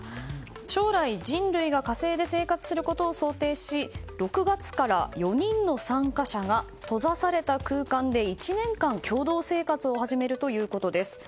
将来、人類が火星で生活することを想定し６月から４人の参加者が閉ざされた空間で１年間共同生活を始めるということです。